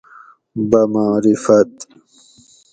بمعرفت